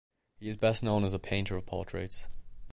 He is best known as a painter of portraits.